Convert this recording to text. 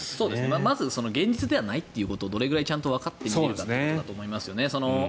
まず現実ではないということをどれくらいちゃんとわかって見るかということだと思いますけどね。